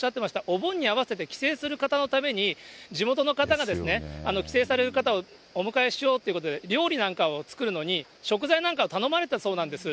お盆に合わせて帰省する方のために、地元の方が帰省される方をお迎えしようということで、料理なんかを作るのに食材なんかを頼まれてたそうなんです。